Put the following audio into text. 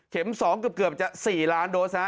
เข็มสองเกือบจะ๔ล้านโดสนะฮะ